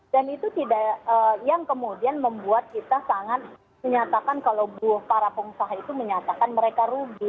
dan itu tidak yang kemudian membuat kita sangat menyatakan kalau buah para pengusaha itu menyatakan mereka rugi